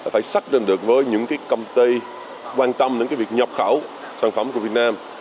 phải xác định được với những công ty quan tâm đến việc nhập khẩu sản phẩm của việt nam